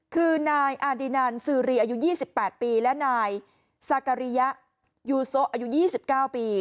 คือนายอาดินันซีรีอายุ๒๘ปีและนายซากริยะยูโซะอายุ๒๙ปี